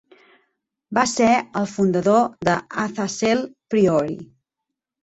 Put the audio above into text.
Va ser el fundador de Athassel Priory.